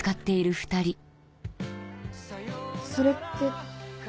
それって。